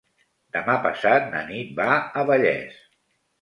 Demà passat na Nit va a Vallés.